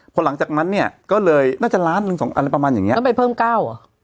พอหลังจากนั้นเนี่ยก็เลยน่าจะล้านหนึ่งสองอะไรประมาณอย่างเงี้แล้วไปเพิ่มเก้าเหรอ